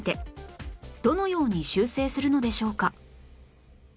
どのように修正するのでしょうか？